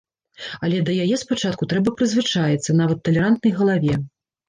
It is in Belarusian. Але да яе спачатку трэба прызвычаіцца, нават талерантнай галаве.